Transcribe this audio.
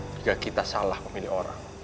jika kita salah memilih orang